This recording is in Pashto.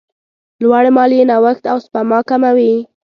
لوړې مالیې نوښت او سپما کموي.